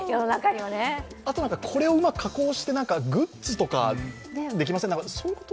あとこれをうまく加工して、グッズとかできません？